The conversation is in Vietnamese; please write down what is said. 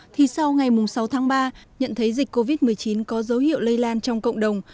thì sau ngày sáu tháng ba nhận thấy dịch covid một mươi chín có dấu hiệu lây lan trong cộng đồng